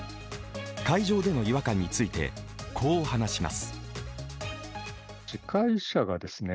会場での違和感についてこう話します。